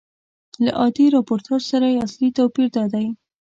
له عادي راپورتاژ سره یې اصلي توپیر دادی.